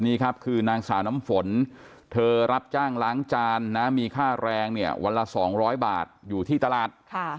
นี่ครับคือนางสาวน้ำฝนเธอรับจ้างล้างจานนะมีค่าแรงเนี่ยวันละ๒๐๐บาทอยู่ที่ตลาด